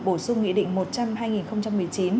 bổ sung nghị định một trăm linh hai nghìn một mươi chín